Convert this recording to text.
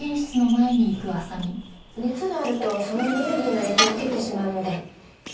熱があるとそのエネルギーの影響を受けてしまうので。